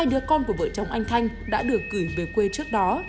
hai đứa con của vợ chồng anh thanh đã được gửi về quê trước đó